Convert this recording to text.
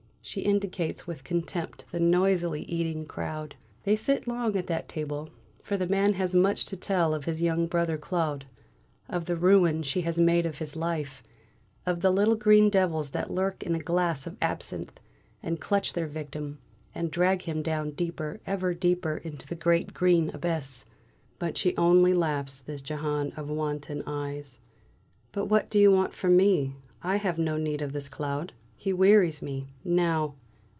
She indicates with contempt the noisily eating crowd. They sit long at that table, for the man has much to tell of his young brother Claude; of the ruin she has made of his life; of the little green devils that lurk in a glass of absinthe, and clutch their victim, and drag him down deeper, ever deeper, into the great, green abyss. But she only laughs, this Jehane of the wanton eyes. "But what do you want from me? I have no need of this Claude. He wearies me now!"